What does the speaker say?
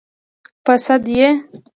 _ په سد يې؟